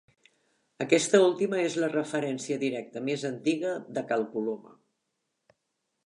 Aquesta última és la referència directa més antiga de Cal Coloma.